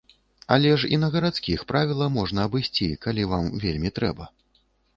Але ж і на гарадскіх правіла можна абысці, калі вам вельмі трэба.